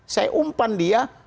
saya umpan dia